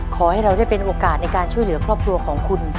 ขอให้เราได้เป็นโอกาสในการช่วยเหลือครอบครัวของคุณ